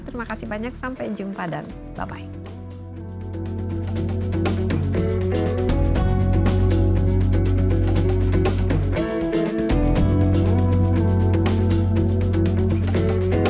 terima kasih banyak sampai jumpa dan bye bye